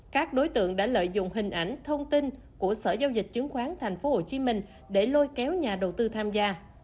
các đối tượng đã lợi dụng hình ảnh thông tin của sở giao dịch chứng khoán tp hcm để lôi kéo nhà đầu tư tham gia